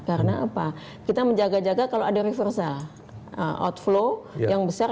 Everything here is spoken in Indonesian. karena apa kita menjaga jaga kalau ada reversal outflow yang besar